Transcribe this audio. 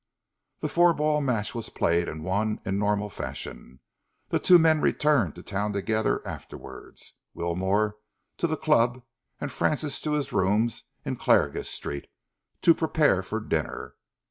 The four ball match was played and won in normal fashion. The two men returned to town together afterwards, Wilmore to the club and Francis to his rooms in Clarges Street to prepare for dinner.